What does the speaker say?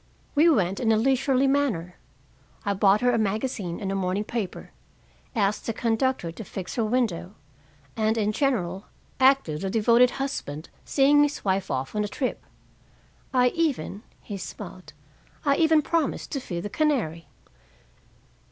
We went in a leisurely manner. I bought her a magazine and a morning paper, asked the conductor to fix her window, and, in general, acted the devoted husband seeing his wife off on a trip. I even" he smiled "I even promised to feed the canary."